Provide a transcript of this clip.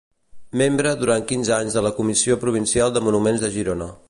Membre durant quinze anys de la Comissió Provincial de Monuments de Girona.